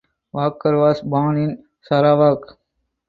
Walker was born in Sarawak.